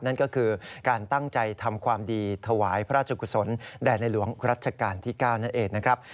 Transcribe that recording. นั่นก็คือการตั้งใจทำความดีถวายพระราชกุศลแด่ในหลวงรัชกาลที่๙นั่นเองนะครับ